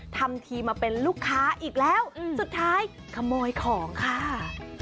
ทำทีมาเป็นลูกค้าอีกแล้วสุดท้ายขโมยของค่ะ